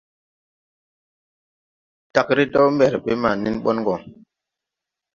Tag redew mberbe ma nen bon go.